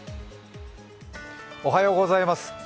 おはようございます。